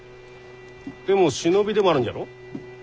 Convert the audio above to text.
でも忍びでもあるんじゃろ？